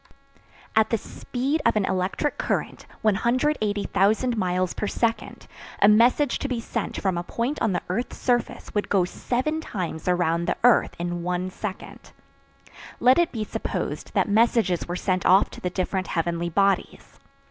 At the speed of an electric current, 180,000 miles per second, a message to be sent from a point on the earth's surface would go seven times around the earth in one second. Let it be supposed that messages were sent off to the different heavenly bodies.